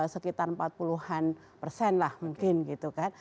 sekitar empat puluh an persen lah mungkin gitu kan